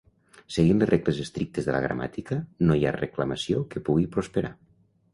Seguint les regles estrictes de la gramàtica no hi ha reclamació que pugui prosperar.